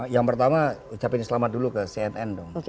yang pertama ucapin selamat dulu ke cnn dong